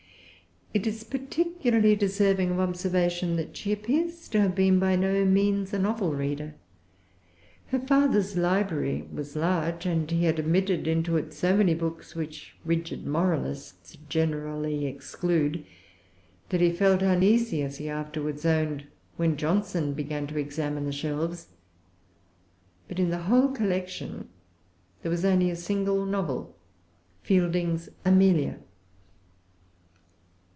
It is particularly deserving of observation that she appears to have been by no means a novel reader. Her father's library was large; and he had admitted into it so many books which rigid moralists generally exclude that he felt uneasy, as he afterwards owned, when Johnson began to examine the shelves. But in the whole collection there was only a single novel, Fielding's Amelia.